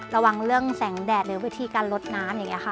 ระวังเรื่องแสงแดดหรือวิธีการลดน้ำอย่างนี้ค่ะ